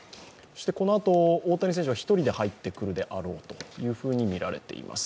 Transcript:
このあと大谷選手が１人で入ってくるであろうとみられています。